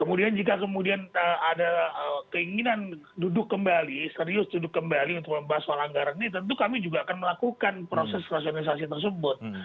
kemudian jika kemudian ada keinginan duduk kembali serius duduk kembali untuk membahas soal anggaran ini tentu kami juga akan melakukan proses rasionalisasi tersebut